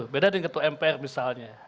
beda dengan ketua mpr misalnya